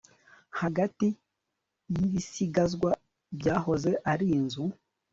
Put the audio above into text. Hagati yibisigazwa byahoze ari inzu